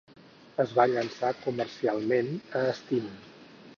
Es va llançar comercialment a Steam.